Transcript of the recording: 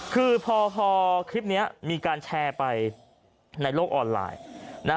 คือพอคลิปนี้มีการแชร์ไปในโลกออนไลน์